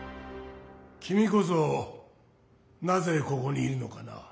きみこそなぜここにいるのかな？